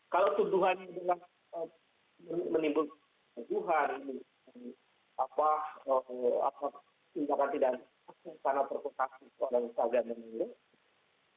kalau tuduhan ini menimbulkan keguguhan ini tidak akan tidak terjadi karena perputasi orang orang yang menilai